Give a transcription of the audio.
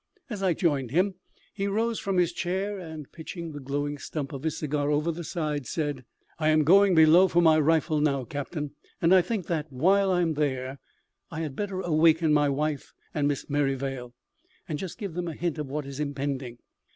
As I joined him he rose from his chair and, pitching the glowing stump of his cigar over the side, said "I am going below for my rifle now, captain. And I think that while I am there I had better awaken my wife and Miss Merrivale, and just give them a hint of what is impending.